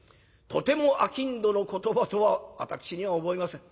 とても商人の言葉とは私には思えません。